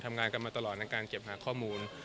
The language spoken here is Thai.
ทำงานกันมาตลอดในการเก็บหาข้อมูล